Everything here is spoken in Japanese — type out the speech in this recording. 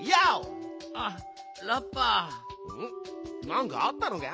なんかあったのか？